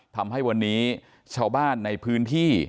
ทำให้วันนี้ชาวบ้านในพื้นที่